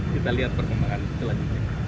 kita lihat perkembangan selanjutnya